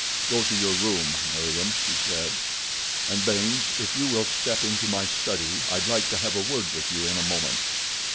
"Go to your room, Meriem," he said; "and Baynes, if you will step into my study, I'd like to have a word with you in a moment."